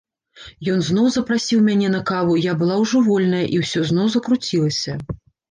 Ён зноў запрасіў мяне на каву, я была ўжо вольная, і ўсё зноў закруцілася.